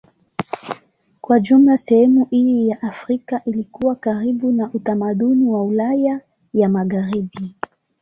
Kwa jumla sehemu hii ya Afrika ilikuwa karibu na utamaduni wa Ulaya ya Magharibi.